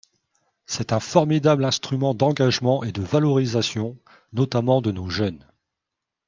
C’est un formidable instrument d’engagement et de valorisation, notamment de nos jeunes.